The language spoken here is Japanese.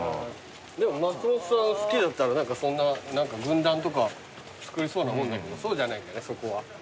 でも松本さん好きだったらそんな軍団とかつくりそうなもんだけどそうじゃないんだねそこは。